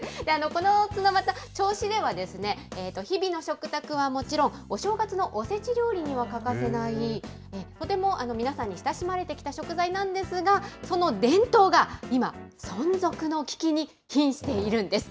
このツノマタ、銚子では日々の食卓はもちろん、お正月のおせち料理にも欠かせない、とても皆さんに親しまれてきた食材なんですが、その伝統が今、存続の危機にひんしているんです。